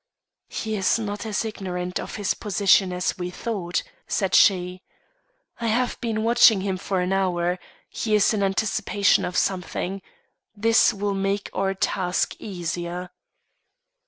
"He is not as ignorant of his position as we thought," said she. "I have been watching him for an hour. He is in anticipation of something. This will make our task easier."